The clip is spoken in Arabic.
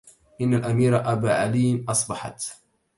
إن الأمير أبا علي أصبحت